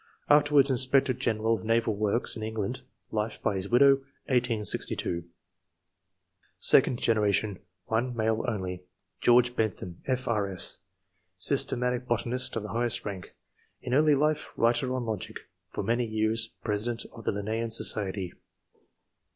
Afterwards inspector general of naval works in England (life by his widow, 1862). Second generation. — 1 male only :— George Bentham, F.K.S., systematic botanist of the highest rank ; in early life, writer on logic ; for many years President of the Linnsean Society.